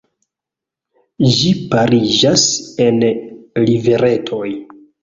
Ĝi pariĝas en riveretoj.